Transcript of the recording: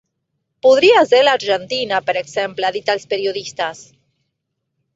Podria ser l’Argentina, per exemple, ha dit als periodistes.